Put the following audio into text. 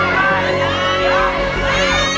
คุณอัศวิน